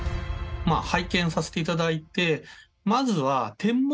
拝見させていただいて。